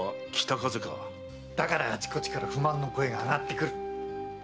だからあちこちから不満の声があがってくる。